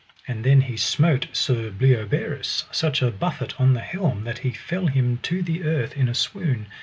And then he smote Sir Bleoberis such a buffet on the helm that he fell down to the earth in a swoon.